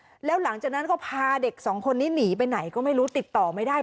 แล้วหลังจากนั้นก็พาเด็กสองคนนี้หนีไปไหนก็ไม่รู้ติดต่อไม่ได้